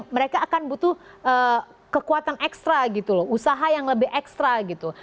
mereka akan butuh kekuatan ekstra gitu loh usaha yang lebih ekstra gitu